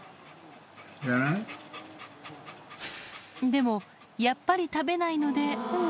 でも、やっぱり食べないので。